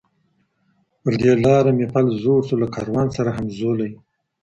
پر دې لاره مي پل زوړ سو له کاروان سره همزولی